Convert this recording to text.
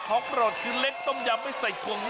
ของหรอดคือเล็กต้มยำไม่ใส่ขวงงอก